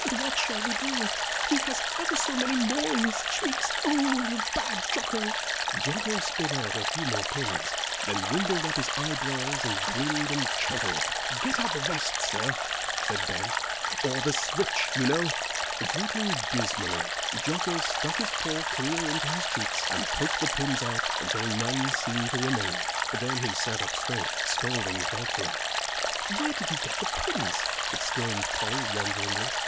"What shall we do? He has ever so many more in his cheeks. Oh, you bad Jocko!" Jocko spit out a few more pins, then wrinkled up his eyebrows and grinned and chattered. "Get the rest out, sir," said Ben, "or the switch, you know." Fretting dismally, Jocko stuck his paw clear into his cheeks, and poked the pins out until none seemed to remain. Then he sat up quite straight, scolding frightfully. "Where did he get the pins?" exclaimed Polly, wonderingly.